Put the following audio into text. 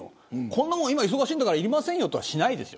こんなの忙しいんだからいりませんよとはしないです。